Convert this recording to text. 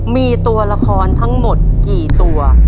มีตัวละครทั้งหมดกี่ตัว